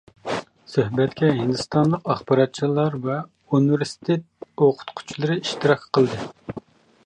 سۆھبەتكە ھىندىستانلىق ئاخباراتچىلار ۋە ئۇنىۋېرسىتېت ئوقۇتقۇچىلىرى ئىشتىراك قىلدى.